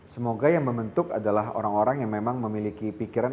semoga yang membentuk adalah orang orang yang memang memiliki pikiran